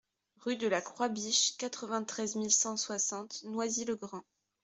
Rue de la Croix Biche, quatre-vingt-treize mille cent soixante Noisy-le-Grand